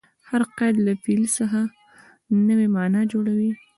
هر قید له فعل څخه نوې مانا جوړوي.